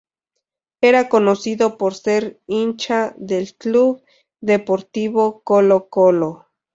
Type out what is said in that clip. Era conocido por ser hincha del club deportivo Colo Colo.